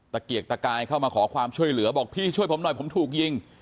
ตะเกียกตะกายเข้ามาขอความช่วยเหลือบอกพี่ช่วยผมหน่อยผมถูกยิง